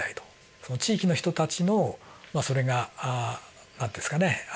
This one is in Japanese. その地域の人たちのそれが何て言うんですかね財産。